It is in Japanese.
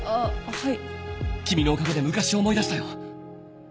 はい！